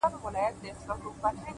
مـاتــه يــاديـــده اشـــــنـــا،